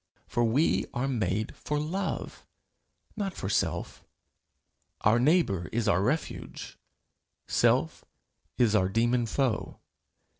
For we are made for love, not for self. Our neighbour is our refuge; self is our demon foe.